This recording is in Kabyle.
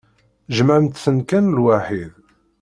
Jemɛemt-ten kan lwaḥid.